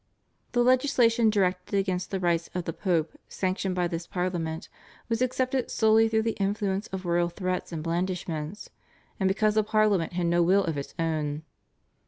The legislation directed against the rights of the Pope sanctioned by this Parliament was accepted solely through the influence of royal threats and blandishments, and because the Parliament had no will of its own.